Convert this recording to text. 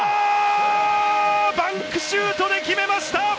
ダンクシュートで決めました！